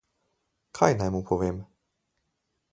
Kaj naj mu povem?